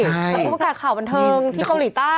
พี่ผู้ประกาศข่าวบันทึงที่เกาหลีใต้